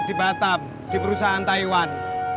di batam di perusahaan taiwan